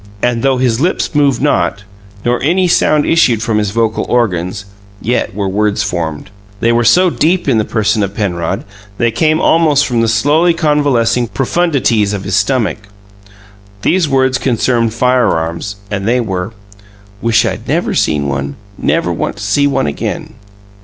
And though his lips moved not, nor any sound issued from his vocal organs, yet were words formed. They were so deep in the person of Penrod they came almost from the slowly convalescing profundities of his stomach. These words concerned firearms, and they were: "Wish I'd never seen one! Never want to see one again!"